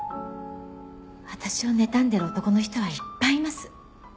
私をねたんでる男の人はいっぱいいます。